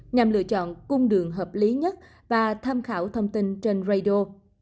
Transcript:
nhằm lựa chọn cung đường hợp lý nhất và tham khảo thông tin trên rado